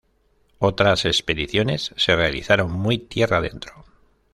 Otras expediciones se realizaron muy tierra adentro.